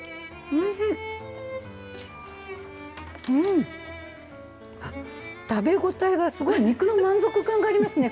うん、食べ応えがすごい、肉の満足感がありますね。